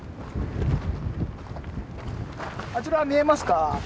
あちら見えますか？